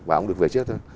và ông được về trước thôi